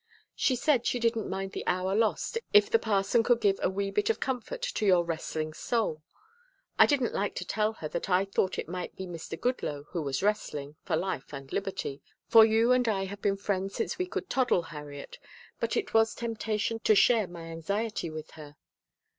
"She said she didn't mind the hour lost if the parson could give a 'wee bit of comfort' to your 'wrestling' soul. I didn't like to tell her that I thought it might be Mr. Goodloe who was wrestling for life and liberty for you and I have been friends since we could toddle, Harriet, but it was temptation to share my anxiety with her."